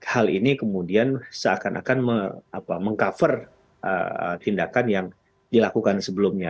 hal ini kemudian seakan akan meng cover tindakan yang dilakukan sebelumnya